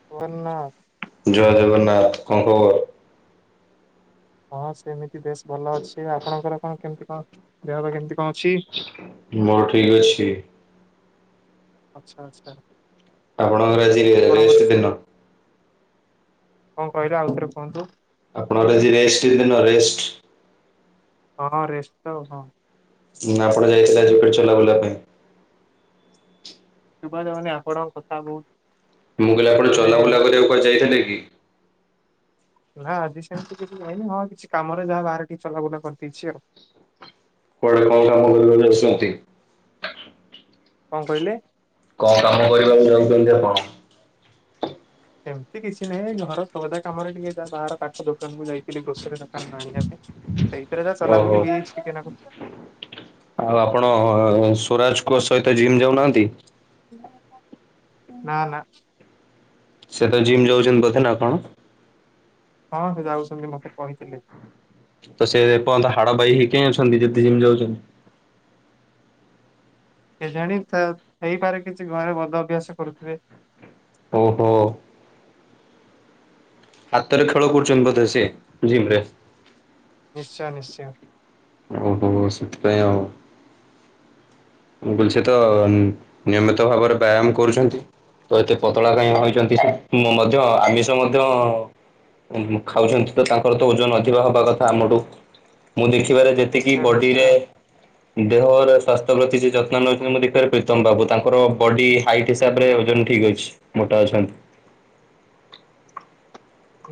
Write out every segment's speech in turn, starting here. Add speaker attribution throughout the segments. Speaker 1: [inaudible]
Speaker 2: ଜୟ ଜଗନ୍ନାଥ କଣ ଖବର?
Speaker 1: ହଁ ସେମିତି ବେଶ ଭଲ ଅଛି ଆପଣଙ୍କର କଣ କେମିତି କଣ ଦେହ ପା କେମିତି କଣ ଅଛି?
Speaker 2: ମୁଁ ଠିକ୍ ଅଛି।
Speaker 1: ଆଚ୍ଛା ଆଚ୍ଛା।
Speaker 2: ଆପଣଙ୍କର ଆଜି
Speaker 1: ଆପଣଙ୍କ
Speaker 2: ରେଷ୍ଟ ଦିନ?
Speaker 1: କଣ କହିଲେ ଆଉ ଥରେ କୁହନ୍ତୁ?
Speaker 2: ଆପଣଙ୍କର ଆଜି ରେଷ୍ଟ ଦିନ ରେଷ୍ଟ?
Speaker 1: ହଁ ରେଷ୍ଟ ତ ଆଉ ହଁ।
Speaker 2: ନା ଆପଣ ଯାଇଥିଲେ ଆଜି କୁଆଡେ ଚଲାବୁଲା ପାଇଁ?
Speaker 1: ଶୁଭାଯାଉନି ଆପଣଙ୍କ କଥା ବହୁତ୍।
Speaker 2: ମୁଁ କହିଲି ଆପଣ ଚଲାବୁଲା କରିବାକୁ କୁଆଡେ ଯାଇଥିଲେ କି?
Speaker 1: ନା ଆଜି ସେମତି କିଛି ଯାଇନି ହଁ କିଛି କାମରେ ଯାହା ବାହାରେ ଟିକେ ଚଲାବୁଲା କରିଦେଇଛି ଆଉ।
Speaker 2: କୁଆଡେ କଣ କାମ କରିବାକୁ ଯାଉଛନ୍ତି?
Speaker 1: କଣ କହିଲେ?
Speaker 2: କଣ କାମ କରିବାକୁ ଯାଉଛନ୍ତି ଆପଣ?
Speaker 1: ସେମତି କିଛି ନାହିଁ ଘର ସଉଦା କାମରେ ଟିକେ ଯାହା ବାହାର ପାଖ ଦୋକାନକୁୁ ଯାଇଥିଲି ଗ୍ରୋସରୀ ଦୋକାନରୁ ଆଣିବା ପାଇଁ। ସେଇଥିରେ
Speaker 2: ଓହୋ
Speaker 1: ଚଲାବୁଲି ହେଇଛି ଟିକେ ନାକୁ।
Speaker 2: ଆଉ ଆପଣ ସ୍ୱରାଜ୍ କୋ ସହିତ ଜିମ୍ ଯାଉନାହାନ୍ତି?
Speaker 1: ନା ନା।
Speaker 2: ସେ ତ ଜିମ୍ ଯାଉଛନ୍ତି ବୋଧେ ନା କଣ?
Speaker 1: ହଁ ସେ ଯାଉଛନ୍ତି ମତେ କହିଥିଲେ।
Speaker 2: ତ ସେ ଏପର୍ଯ୍ୟନ୍ତ ହାଡ ବାଇ ହେଇ କାଇଁ ଅଛନ୍ତି ଯଦି ଜିମ୍ ଯାଉଛନ୍ତି?
Speaker 1: କେଜାଣି ହେଇପାରେ କିଛି ଘରେ ବଦ ଅଭ୍ୟାସ କରୁଥିବେ।
Speaker 2: ଓହୋ। ହାତରେ ଖେଳ କରୁଛନ୍ତି ବୋଧେ ସିଏ ଜିମ୍ ରେ?
Speaker 1: ନିଶ୍ଚୟ ନିଶ୍ଚୟ।
Speaker 2: ଓହୋ ସେଥିପାଇଁ ଆଉ। ମୁଁ କହିଲି ସେ ତ ନିୟମିତ ଭାବରେ ବ୍ୟାୟାମ କରୁଛନ୍ତି। ତ ଏତେ ପତଳା କାଇଁ ହୋଇଛନ୍ତି ମଧ୍ୟ ଆମିଷ ମଧ୍ୟ ଖାଉଛନ୍ତି ତ ତାଙ୍କର ତ ଓଜନ ଅଧିକା ହବା କଥା ଆମଠୁ। ମୁଁ ଦେଖିବାରେ ଯେତିକି ବଡିରେ
Speaker 1: ନିଶ୍ଚୟ
Speaker 2: ଦେହର ସ୍ଵାସ୍ଥ୍ୟ ପ୍ରତି ଯେ ଯତ୍ନ ନେଉଛନ୍ତି ମୁଁ ଦେଖିବାରେ ପ୍ରୀତମ ବାବୁ ତାଙ୍କର ବଡି ହାଇଟ୍ ହିସାବରେ ଓଜନ ଠିକ୍ ଅଛି ମୋଟା ଅଛନ୍ତି।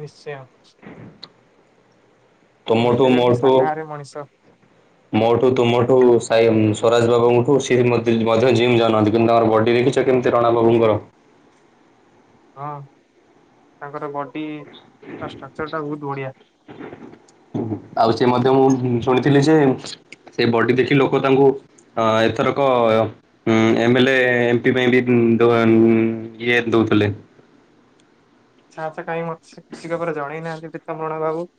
Speaker 1: ନିଶ୍ଚୟ।
Speaker 2: ତମଠୁ
Speaker 1: ଏମିତିରେ ବି
Speaker 2: ମୋଠୁ
Speaker 1: ଶାକାହାରୀ ମଣିଷ।
Speaker 2: ମୋଠୁ ତୁମଠୁ ସାଇ ସ୍ୱରାଜ ବାବୁଙ୍କଠୁ ସିଏ ମଧ୍ୟ ଜିମ୍ ଯାଉନାହାନ୍ତି କିନ୍ତୁ ତାଙ୍କର ବଡି ଦେଖିଛ? କେମତି ରଣା [inaudible]
Speaker 1: ହଁ ତାଙ୍କର ବଡି ଷ୍ଟ୍ରକ୍ଚର ଟା ବହୁତ ବଢ଼ିଆ।
Speaker 2: ଆଉ ସେ ମଧ୍ୟ ମୁଁ ଶୁଣିଥିଲି ଯେ ସେ ବଡି ଦେଖି ଲୋକ ତାଙ୍କୁ ଅ ଏଥରକ ହଁ ଏମ୍ ଏ ଲେ ଏମ୍ ପି ପାଇଁ ବି ଇଏ ଦଉଥିଲେ।
Speaker 1: ଆଚ୍ଛା ଆଚ୍ଛା କାଇଁ ମତେ ସିଏ ଖୁସି ଖବର ଜଣେଇନାହାନ୍ତି ପୀତମ୍ୱର ବାବୁ।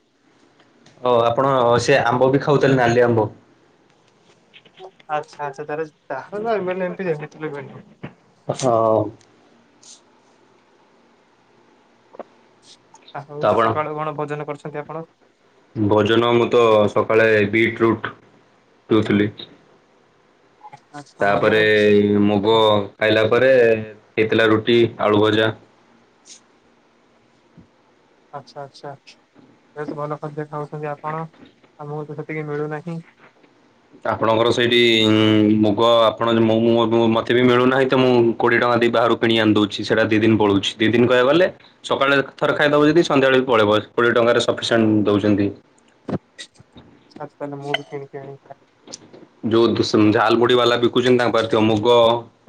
Speaker 2: ଓ ଆପଣ ସେ ଆମ୍ବ ବି ଖାଉଥିଲେ ନାଲି ଆମ୍ବ।
Speaker 1: ଆଚ୍ଛା ଆଚ୍ଛା ତାର ତାହାଲେ ଏମ୍ ଏ ଲେ ଏମ୍ ପି ଏମିତି ରେ [inaudible]
Speaker 2: ହଁ।
Speaker 1: ଆଉ
Speaker 2: ତ ଆପଣ
Speaker 1: ସକାଳୁ କଣ ଭୋଜନ କରୁଛନ୍ତି ଆପଣ?
Speaker 2: ଭୋଜନ ମୁଁ ତ ସକାଳେ ବିଟ୍ ରୁଟ୍ ପିଉଥିଲି।
Speaker 1: ଆଚ୍ଛା ବଢିଆ
Speaker 2: ତାପରେ ମୁଗ
Speaker 1: ଭଲ।
Speaker 2: ଖାଇଲା ପରେ ହେଇଥିଲା ରୁଟି ଆଳୁ ଭଜା।
Speaker 1: ଆଚ୍ଛା ଆଚ୍ଛା ଯେହେତୁ ଭଲ ଖାଦ୍ୟ ଖାଉଛନ୍ତି ଆପଣ ଆମକୁ ତ ସେତିକି ମିଳୁନାହିଁ।
Speaker 2: ଆପଣଙ୍କର ସେଇଠି ମୁଗ ଆପଣ ମୁଁ ମୁଁ ମୁଁ ମତେ ବି ମିଳୁନାହିଁ ତ ମୁଁ କୋଡିଏ ଟଙ୍କା ଦେଇ ବାହାରୁ କିଣି ଆଣି ଦଉଛି ସେଟା ଦିଦିନି ପଳଉଛି ଦିଦିନି କହିବା ଗଲେ ସକାଳେ ଥରେ ଖାଇ ଦଵଜଦି ସନ୍ଧ୍ୟାବେଳେ ବି ପଳେଇବ କୋଡିଏ ଟଙ୍କାରେ ସଫିସିଣ୍ଟ ଦଉଛନ୍ତି।
Speaker 1: ସ ତାହେଲେ ମୁଁ ବି କିଣିକି ଆଣିକି ଖା।
Speaker 2: ଯୋଉ ଝାଲ ମୁଡି ବାଲା ବିକୁଛନ୍ତି ତାଙ୍କ ପାଖରେଥିବ ମୁଗ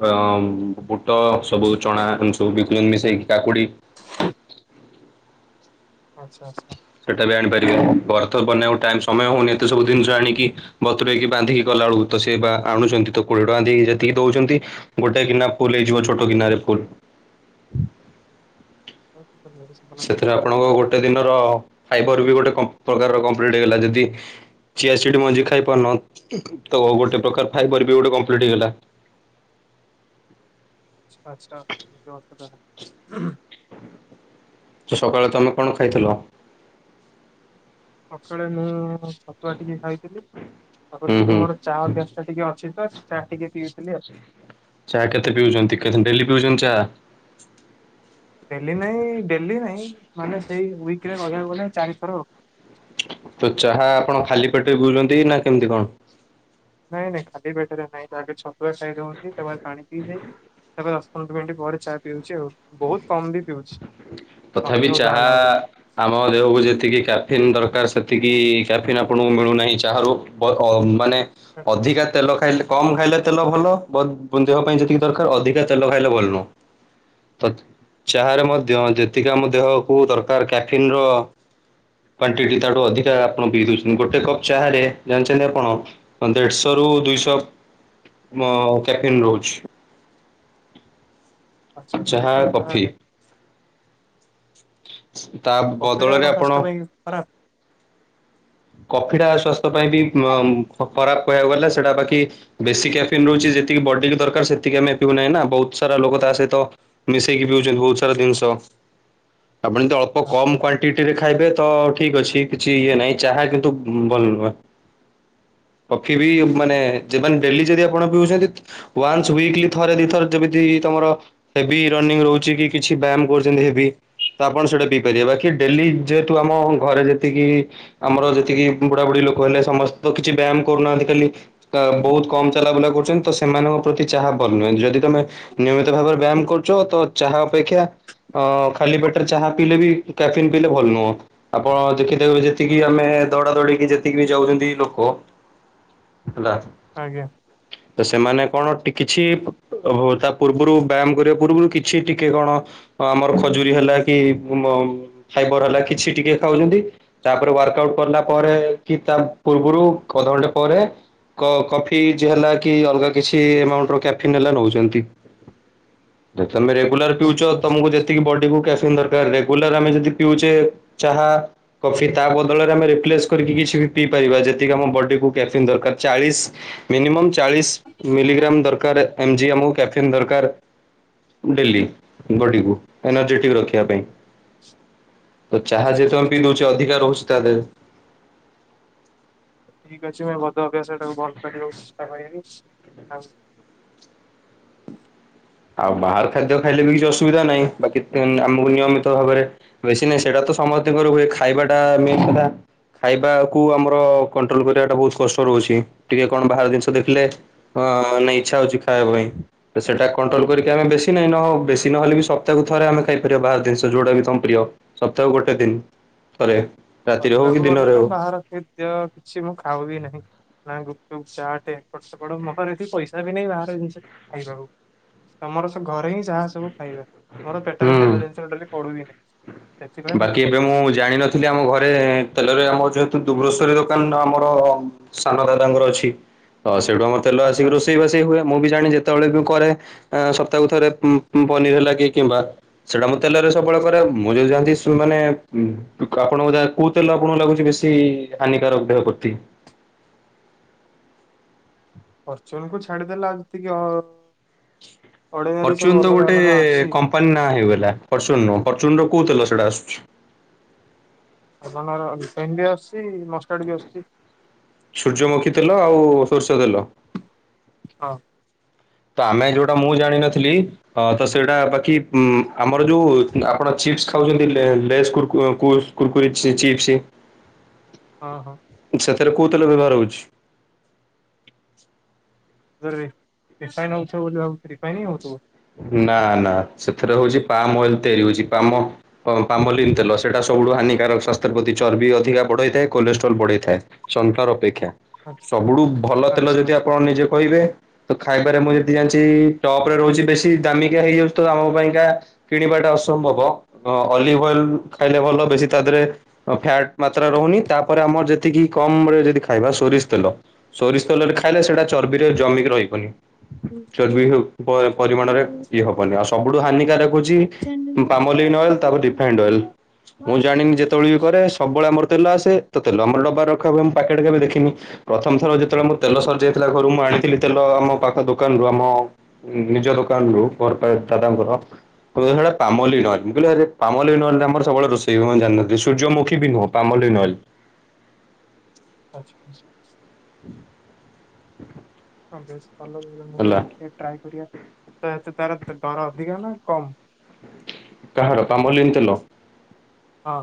Speaker 2: ଅ ବୁଟ, ସବୁ ଚଣା, ଏମିତି ସବୁ ବିକୁଛନ୍ତି ମିଶେଇକି କାକୁଡି
Speaker 1: ଆଚ୍ଛା ଆଚ୍ଛା।
Speaker 2: ସେଟା ବି ଆଣିପାରିବେନି ବର୍ତ ବନେଇବାକୁ ଟାଇ ସମୟ ହଉନି ଏତେ ସବୁ ଜିନିଷ ଆଣିକି ବତୁରେଇକି ବାନ୍ଧିକି। ଗଲା ବେଳକୁ ତ ସେ ବା ଆଣୁଛନ୍ତି ତ କୋଡିଏ ଟଙ୍କା ଦେଇକି ଯେତିକି ଦଉଛନ୍ତି ଗୋଟେ ଗିନା ଫୁଲ ହେଇଯିବ ଛୋଟ ଗିନାରେ ଫୁଲ।
Speaker 1: ହ। [inaudible]
Speaker 2: ସେଥିରେ ଆପଣଙ୍କ ଗୋଟେ ଦିନର ଫାଇବର ବି ଗୋଟେ କଁ ପ୍ରକାର କଂପ୍ଲିଟ୍ ହେଇଗଲା ଯଦି ଚିଆ ସିଡ଼ି ମଞ୍ଜି ଖାଇ ପାରୁନ ତ ଗୋଟେ ପ୍ରକାର ଫାଇବାର ବି ଗୋଟେ କମ୍ପ୍ଲିଟ୍ ହେଇଗଲା।
Speaker 1: ଆଚ୍ଛା ଜହାର ଖା। [inaudible]
Speaker 2: ତ ସକାଳେ ତମେ କଣ ଖାଇଥିଲ?
Speaker 1: ସକାଳେ ମୁଁ ଛତୁଆ ଟିକେ ଖାଇଥିଲି ତାପରେ
Speaker 2: ହୁଁ ହୁଁ
Speaker 1: ଟିକେ ମୋର ଚା ଅଭ୍ୟାସ ଟା ଟିକେ ଅଛି ତ ଚା ଟିକେ ପିଇଥିଲି ଆଉ।
Speaker 2: ସେ। ଚା କେତେ ପିଉଛନ୍ତି କେ ଡେଲି ପିଉଛନ୍ତି ଚା?
Speaker 1: ଡେଲି ନାଇଁ ଡେଲି ନାଇଁ ମାନେ ସେଇ ୱିକରେ କହିବାକୁ ଗଲେ ଚାରିଥରଆଉ।
Speaker 2: ତ ଚାହା ଆପଣ ଖାଲି ପେଟରେ ପିଉଛନ୍ତି ନା କେମିତି କଣ?
Speaker 1: ନାଇଁ ନାଇଁ ଖାଲି ପେଟରେ ନାଇଁ ତ ଆଗେ ଛତୁଆ ଖାଇଦଉଚି ତାପରେ ପାଣି ପିଇଦେଇକି ତାପରେ ଦଶ ପନ୍ଦର ମିନିଟ୍ ପରେ ଚା ପିଉଛି ଆଉ ବହୁତ କମ ବି ପିଉଛି
Speaker 2: ତଥାପି
Speaker 1: ତଣ୍ଟି ଓଦା
Speaker 2: ଚାହା
Speaker 1: ହେଲା ଭଳିଆ।
Speaker 2: ଆମ ଦେହକୁ ଯେତିକି କାର୍ଫିନ୍ ଦରକାର ସେତିକି କାର୍ଫିନ ଆପଣଙ୍କୁ ମିଳୁନାହିଁ ଚାହାରୁ ପ ଅ ମାନେ ଅଧିକା ତେଲ ଖାଇଲେ କମ ଖାଇଲେ ତେଲ ଭଲ ବ ଦେହ ପାଇଁ ଯେତିକି ଦରକାର ଅଧିକା ତେଲ ଖାଇଲେ ଭଲ ନୁହଁ। ତ ଚାହରେ ମଧ୍ୟ ଯେତିକି ଆମ ଦେହକୁ ଦରକାର କାଫିନ ର କ୍ଵାଣ୍ଟିଟି ତାଠୁ ଅଧିକା ଆପଣ ପିଇ ଦଉଛନ୍ତି ଗୋଟେ କପ୍ ଚାହାରେ ଜାଣିଛନ୍ତି ଆପଣ? ଦେଢଶହ ରୁ ଦୁଇଶହ ମ କ୍ୟାପିନ ରହୁଛି।
Speaker 1: ଆଚ୍ଛା ଏମିତି
Speaker 2: ଚାହା
Speaker 1: କଥା
Speaker 2: କଫି
Speaker 1: ତାହେଲେ
Speaker 2: ତା ବଦଳରେ ଆପଣ
Speaker 1: ଖରାପ୍।
Speaker 2: କଫିଟା ସ୍ଵାସ୍ଥ୍ୟ ପାଇଁ ବି ଖରାପ କହିବାକୁ ଗଲେ ସେଟା ବାକି ବେଶୀ କ୍ୟାଫିନ ରହୁଛି ଯେତିକି ବଡିକି ଦରକାର ସେତିକି ଆମେ ପିଉ ନାହିଁ ନା ବହୁତ ସାରା ଲୋକ ତା ସହିତ ମିଶେଇକି ପିଉଛନ୍ତି ବହୁତ ସାରା ଜିନିଷ ଆପଣଜଦି ଅଳ୍ପ
Speaker 1: ଆଚ୍ଛା
Speaker 2: କମ କ୍ଵାଣ୍ଟିଟି ରେ ଖାଇବେ ତ ଠିକ ଅଛି କିଛି ଇଏ ନାହିଁ ଚାହା କିନ୍ତୁ ଭଲ ନୁହେଁ। କଫି ବି ମାନେ ଯେମାନେ ଡେଲି ଯଦି ଆପଣ ପିଉଛନ୍ତି ୱାନ୍ସ ୱିକଲ ଥରେ ଦିଥର ଯେମିତି ତମର ହେଭି ରନିଂ ରହୁଛି କି କିଛି ବ୍ୟାୟାମ କରୁଛନ୍ତି ହେଭି। ତ ଆପଣ ସେଇଟା ପିଇ ପାରିବେ ବାକି ଡେଲି ଯେହେତୁ ଆମ ଘରେ ଯେତିକି ଆମର ଯେତିକି ବୁଢାବୁଢ଼ୀ ଲୋକ ହେଲେ ସମସ୍ତେ ତ କିଛି ବ୍ୟାୟାମ କରୁନାହାଁନ୍ତି ଖାଲି ବହୁତ କମ ଚାଲାବୁଲା କରୁଛନ୍ତି ତ ସେମାନଙ୍କ ପ୍ରତି ଚାହା ଭଲ ନୁହେ ଯଦି ତମେ ନିୟମିତ ଭାବରେ ବ୍ୟାୟାମ କରୁଛ ତ ଚାହା ଅପେକ୍ଷା ଅ ଖାଲି ପେଟରେ ଚାହା ପିଇଲେ ବି କ୍ୟାଫିିନ ପିଇଲେ ଭଲ ନୁହଁ ଆପଣ ଦେଖିଥିବେ ଯେ ଏଠି ଆମେ ଦୌଡା ଦୌଡିକି ଯେତିକି ବି ଯାଉଛନ୍ତି ଲୋକ ହେଲା
Speaker 1: ଆଜ୍ଞା।
Speaker 2: ତ ସେମାନେ କଣ ଟି କିଛି ଓହ ତା ପୂର୍ବରୁ ବ୍ୟାୟାମ କରିବା ପୂର୍ବରୁ କିଛି ଟିକେ କଣ ଅ ଆମର ଖଜୁରୀ ହେଲା କି ମ ଫାଇବର ହେଲା କିଛି ଟିକେ ଖାଉଛନ୍ତି ତାପରେ ୱାର୍କ ଆଉଟ୍ କରିଲା ପରେ କି ତା ପୂର୍ବରୁ ଅଧଘଣ୍ଟେ ପରେ କ କଫି ଚ ହେଲା କି ଅଲଗା କିଛି ଏମାଉଣ୍ଟ ର କ୍ୟାଫିନ୍ ହେଲା ନଉଛନ୍ତି। ତ ତମେ ରେଗୁଲାର ପିଉଚ
Speaker 1: ଆଚ୍ଛା ଆଚ୍ଛା
Speaker 2: ତମକୁ ଯେତିକି ବଡି କୁ କ୍ୟାଫିନ ଦର ତ ରେଗୁଲାର ଆମେ ଯଦି ପିଉଛେ ଚାହା। କଫି ତା ବଦଳରେ ଆମେ ରିପ୍ଲେସ କରିକି କିଛି ବି ପିଇପାରିବା ଯେତିକି ଆମ ବଡିକୁ କ୍ୟାଫିନ୍ ଦରକାର ଚାଳିଶ ମିନିମମ୍ ଚାଳିଶି ମିଲିଗ୍ରାମ୍ ଦରକାର ଏମ୍ ଜି ଆମକୁ କ୍ୟାଫିନ୍ ଦରକାର। ଡେଲି ବଡିକୁ ଏନର୍ଜେଟିକ୍ ରଖିବା ପାଇଁ। ତ ଚାହା
Speaker 1: ନିଶ୍ଚୟ
Speaker 2: ଯେତେବେଳେ
Speaker 1: ନିଶ୍ଚୟ
Speaker 2: ପିଦଉଛି ଅଧିକା ରହୁଛି ତା ଦେହେରେ।
Speaker 1: ଠିକ୍ ଅଛି ମୁଁ ଭଦ ଅଭ୍ୟାସଟାକୁ ବନ୍ଦ କରିବାକୁ ଚେଷ୍ଟା କରିବି ଆ
Speaker 2: ଆଉ ବାହାର ଖାଦ୍ୟ ଖାଇଲେ ବି କିଛି ଅସୁବିଧା ନାହିଁ ବାକି ଆମକୁ ନିୟମିତ ଭାବରେ ବେଶୀ ନାହିଁ ସେଇଟା ତ ସମସ୍ତଙ୍କର ହୁଏ ଖାଇବାଟା ମେନ କଥା ଖାଇବାକୁ ଆମର କଣ୍ଟ୍ରୋଲ କରିବାଟା ବୋହୁତ କଷ୍ଟ ରହୁଛି। ଟିକେ କଣ ବାହାର ଜିନିଷ ଦେଖିଲେ ହଁ ନାଇଁ ଇଚ୍ଛା ହଉଛି ଖାଇବା ପାଇଁ ତ ସେଟା କଣ୍ଟ୍ରୋଲ କରିକି ଆମେ ବେଶୀ ନାଇଁ ନ ହଉ ବେଶୀ ନହେଲେ ବି ସପ୍ତାହକୁ ଥରେ ଆମେ ଖାଇପାରିବା ବାହାର ଜିନିଷ ଯୋଉଟା ବି ତମ ପ୍ରିୟ। ସପ୍ତାହ କୁ ଗୋଟେ ଦିନ ଥରେ ରାତିରେ ହଉ କି ଦିନରେ ହଉ।
Speaker 1: [unintelligible] ସେଥିପାଇଁ କିଛି ମୁଁ ଖାଉବି ନାହିଁ। ନା ଗୁପଚୁପ୍ ଚାଟ ଏପଟ ସେପଟ ମୋ ପାଖରେ ଏତେ ପଇସା ବି ନାହିଁ ବାହାର ଜିନିଷ ଖାଇବାକୁ। ତମର ସେ ଘରେ ହିଁ ଯାହା ସବୁ ଖାଇବା ମୋର ପେଟରେ ତେଲ
Speaker 2: ହୁଁ।
Speaker 1: ଜିନିଷ ଡେଲି ପଡୁହିନାହିଁ।
Speaker 2: ବାକି ଏବେ ମୁଁ ଜାଣିିନଥିଲି ଆମ ଘରେ ତେଲ ରେ ଆମ ଯେହେତୁ ଗୋ ଗ୍ରୋସରି ଦୋକାନ ଆମର ସାନ ଦାଦ ଙ୍କର ଅଛି ତ ସେଇଠୁ ଆମର ତେଲ
Speaker 1: ଆଚ୍ଛା
Speaker 2: ଆସିକି
Speaker 1: ଆଚ୍ଛା।
Speaker 2: ରୋଷେଇ ବାସ ହୁଏ। ମୁଁ ବି ଜାଣି ଯେତେବେଳେ ବି କରେ ସପ୍ତାହ ଥରେ ପନିର ଲାଗି କିମ୍ବା। ସେଟା ମୁଁ ତେଲରେ ସବୁବେଳେ କରେ ମୁଁ ଯଦି ଯାନ୍ତି ଯୋଉମାନେ ଆପଣଙ୍କୁ ଯା କୋଉ ତେଲ ଆପଣଙ୍କୁ ଲାଗୁଛି ବେଶୀ ହାନିକାରକ ଦେହ ପ୍ରତି।
Speaker 1: ଅର୍ଚନା କୁ ଛାଡ଼ିଦେଲା ଯେତିକି ଅ ଅଡିନାରୀ ସବୁ ଅଲଗା ଅଲଗା ଅଛି।
Speaker 2: ନା ହେଇଗଲା ଫର୍ଚୁନ ନୁହଁ ପର୍ଚୁନ କୋଉ ତେଲ ସେଇଟା ଆସୁଚି?
Speaker 1: ଆପଣଙ୍କର ଟେନି ଆସୁଛି ମଷ୍ଟାର୍ଡ ବି ଆସୁଛି।
Speaker 2: ସୂର୍ଯ୍ୟମୁଖୀ ତେଲ ଆଉ ସୋର୍ଷ ତେଲ।
Speaker 1: ହଁ।
Speaker 2: ତ ଆମେ ଯୋଉଟା ମୁଁ ଜାଣିନଥିଲି। ହଁ ତ ସେଇଟା ବାକି ଆମର ଯୋଉ ଆପଣ ଚିପ୍ସ ଖାଉଛନ୍ତି ଲେ ଲେସ୍ କୁର କୁ କୁରକୁରି ଚି ଚୀପ୍ସ।
Speaker 1: ହଁ।
Speaker 2: ସେଥିରେ କଉତେଲ ବ୍ୟବହାର ହେଉଛି?
Speaker 1: ରି ରିଫାଇନ ହେଉଥିବ ବୋଲି ଭାବିଲି ରିଫାଇନ ହି ହେଉଛି।
Speaker 2: ନା ନା ସେଥିରେ ହଉଛି ପାମ ଅଏଲ ତିଆରି ହଉଛି ପାମ ହଁ ପାମଲିନ୍ ତେଲ ସେଇଟା ସବୁଠୁ ହାନିକାରକ ସ୍ୱାସ୍ଥ୍ୟ ପ୍ରତି ଚର୍ବି ଅଧିକା ବଢ଼େଇଥାଏ କୋଲେଷ୍ଟ୍ରୋଲ୍ ବଢେଇଥାଏ। ସନଫ୍ଲାର ଅପେକ୍ଷା ସବୁଠୁ ଭଲ
Speaker 1: ଆଚ୍ଛା
Speaker 2: ତେଲ
Speaker 1: ଆଚ୍ଛା
Speaker 2: ଯଦି
Speaker 1: ଆଚ୍ଛା।
Speaker 2: ଆପଣ ନିଜେ କହିବେ। ତ ଖାଇବାରେ ମୁଁ ଯେତିକି ଜାଣିଛି ଟପ ରେ ରହୁଛି ବେଶୀ ଦାମିକା ହେଇଯାଉଛି ତ ଆମ ପାଇଁକା। କିଣିବାଟା ଅସମ୍ଭବ ଅଲିଭ ଅଏଲ ଖାଇଲେ ଭଲ ବେଶୀ ତା ଧେରେ। ଅ ଫ୍ୟାଟ ମାତ୍ରା ରହୁନି ତାପରେ ଆମର ଯେତିକି କମ ରେ ଯଦି ଖାଇବା ସୋରିଷ ତେଲ। ସୋରିଷ ତେଲରେ ଖାଇଲେ ସେଇଟା ଚର୍ବିରେ ଜମିକି ରହିବନି। ଚର୍ବି ହଉ ପ ପରିମାଣରେ ଇଏ ହବନି ଆଉ ସବୁଠୁ ହାନିକାରକ ହଉଛି ପାମଲିନ୍ ଅଏଲ ତାପରେ ରିଫାଇଣ୍ଡ ଅଏଲ ମୁଁ ଜାଣିନି ଯେ ଯେତେବେଳେ ବି କରେ ସବୁବେଳେ ଆମର ତେଲ ଆସେ ତ ତେଲ ଆମର ଡବାରେ ରଖା ହୁଏ ତ ମୁଁ ପ୍ୟାକେଟ କେବେ ଦେଖିନି ପ୍ରଥମଥର ଯେ ଯେତେବେଳେ ମୁଁ ତେଲ ସରିଯାଇଥିଲା ଘରୁ ମୁଁ ଆଣିଥିଲି ତେଲ ଆମ ପାଖ ଦୋକାନରୁ ଆମ ନିଜ ଲୋକ୍ ପର୍ ପାଏ ଦାଦାଙ୍କର। ସେଟା ପାମଲିନ ଅଏଲ୍ ମୁଁ କହିଲି ଆରେ ପାମଲିନ ଅଏଲ୍ ରେ ଆମର ସବୁବେଳେ ରୋଷେଇ ହୁଏ। ମୁଁ ଜାଣିନଥିଲି ସର୍ଯ୍ୟମୁଖି ବି ପାମଲିନ ଅଏଲ।
Speaker 1: ଆଛା ଆଛା।
Speaker 2: [inaudible]
Speaker 1: ହଁ ବେଶ ଭଲ ମୁଁ ବି
Speaker 2: ହେଲା।
Speaker 1: ଦେଖିବା ଟ୍ରାଏ କରିବା ତ ତାର ଡର ଅଧିକା ହେଲା କମ
Speaker 2: କାହାର ପାମଲିନ୍ ତେଲ।
Speaker 1: ହଁ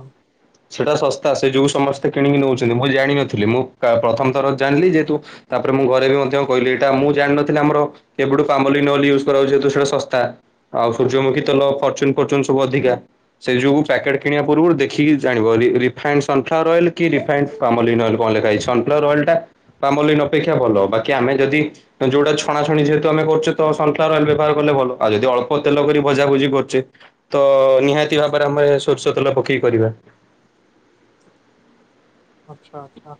Speaker 2: ସେଇଟା ଶସ୍ତା ସେ ଯୋଉ ସମସ୍ତେ କିଣିକି ନେଉଛନ୍ତି ମୁଁ ଜାଣିନଥିଲି ମୁଁ ପ୍ରା ପ୍ରଥମ ଥର ଜାଣିଲି ଯେହେତୁ ତାପରେ ମୁଁ ଘରେ ବି ମଧ୍ୟ କହିଲି ଏଇଟା ମୁଁ ଜାଣିନଥିଲି ଆମର ଏବେଟଠୁ ପାମୋଲିଲିନଲ୍ ୟୁଜ୍ କରାଉଛି ଯେହତୁ ସେଟା ଶସ୍ତା ଆଉ ସୂର୍ଯ୍ୟମୁଖୀ ତେଲ ଫର୍ଚୁନ ଫର୍ଚୁନ ସବୁ ଅଧିକା ସେଇ ଯୋଉ ପ୍ୟାକେଟ୍ କିଣିବା ପୂର୍ବରୁ ଦେଖିକି ଜାଣିବ ରି ରିଫାଇଣ୍ଡ ସନ୍ଫ୍ଲାୱାର ଅଏଲ କି ରଫାଇଣ୍ଡ କାମଲିନ୍ଏ କଣ ଲେଖାହେଇଛି ସନ୍ଫ୍ଲାର ଅଏ୍ ଟା ପାମୋଲିନ ଅପେକ୍ଷା ଭଲ ବାକି ଆମେ ଯଦି ଯୋଉଟା ଛଣାଛଣି ଯେହେତୁ ଆମେ କରଛେ ତ ସନ୍ଫ୍ଲୱାର ଅଏଲ୍ ବ୍ୟବହାର କଲେ ଭଲ ଆଉ ଯଦି ଅଳପ ତେଲ କରି ଭଜାଭୁଜି କରଛେ ତ ନିହାତି ଭାବରେ ଆମେ ସୋରିଷ ତେଲ ପକେଇକି କରିବା
Speaker 1: ଆଚ୍ଛା ଆଚ୍ଛା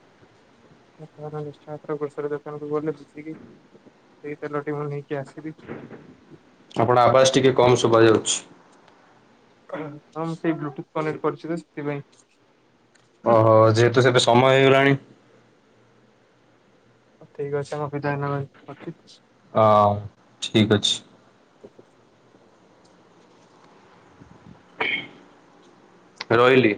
Speaker 1: ଏଥର ନି୍ଚୟ ଆପଣ ଗ୍ରସର ଦୋକାନ ଗଲେ ବୁଝିକି ସେଇ ତେଲଟି ମୁଁ ନେଇକି ଆସିବି
Speaker 2: ଆପଣ ଆବାସ ଟିକେ କମ ଶୁବା ଯାଉଛି
Speaker 1: ହଁ ମୁଁ ସେଇ ବ୍ଲୁଟୁଥ କନେକ୍ଟ କରିଛି ତ ସେଥିପାଇଁ
Speaker 2: ଓହୋ ଯେହେତୁ ସେବେ ସମୟ ହେଇଗଲାଣି
Speaker 1: ଠିକ୍ ଅଛି ତମ ବିଦାଇ ନବା ଅଛିିକ୍
Speaker 2: ହ ଠିକ ଅଛି ରହିଲି।